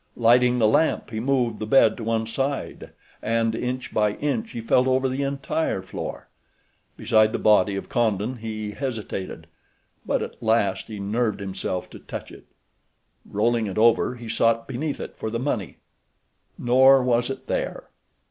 Lighting the lamp he moved the bed to one side and, inch by inch, he felt over the entire floor. Beside the body of Condon he hesitated, but at last he nerved himself to touch it. Rolling it over he sought beneath it for the money. Nor was it there.